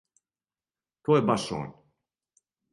То је баш он.